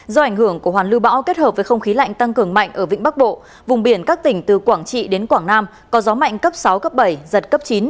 do ảnh hưởng của hoàn lưu bão kết hợp với không khí lạnh tăng cường mạnh ở vĩnh bắc bộ vùng biển các tỉnh từ quảng trị đến quảng nam có gió mạnh cấp sáu cấp bảy giật cấp chín